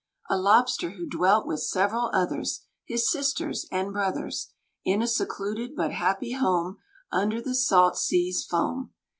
_ A Lobster, who dwelt with several others, His sisters and brothers, In a secluded but happy home, Under the salt sea's foam.